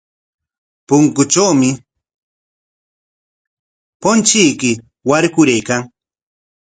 Punkutrawmi punchuyki warkaraykan.